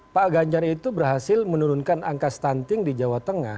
pak ganjar itu berhasil menurunkan angka stunting di jawa tengah